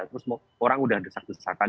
terus orang udah desak desakan